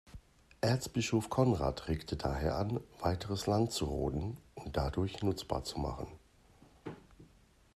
Erzbischof Konrad regte daher an, weiteres Land zu roden und dadurch nutzbar zu machen.